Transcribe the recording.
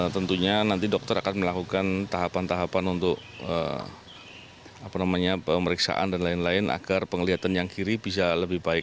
tentunya nanti dokter akan melakukan tahapan tahapan untuk pemeriksaan dan lain lain agar penglihatan yang kiri bisa lebih baik